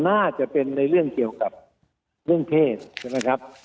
น่าจะเป็นในเรื่องเกี่ยวกับเรื่องเพศใช่ไหมครับ